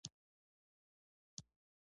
د ایم پیسه سیستم کار کوي؟